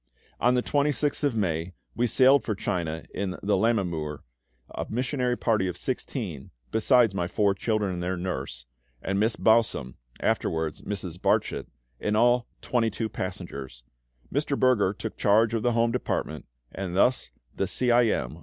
On the 26th of May we sailed for China in the Lammermuir, a missionary party of 16 (besides my four children and their nurse, and Miss Bausum (afterwards Mrs. Barchet)); in all 22 passengers. Mr. Berger took charge of the home department, and thus the C. I. M.